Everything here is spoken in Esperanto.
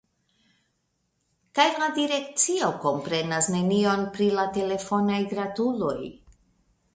Kaj la direkcio komprenas nenion pri la telefonaj gratuloj.